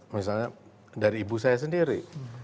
misalnya dari ibu saya sendiri